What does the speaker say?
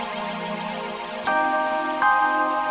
kenapa bisa marah marah gua berantakan kak